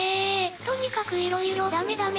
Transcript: とにかくいろいろダメダメ！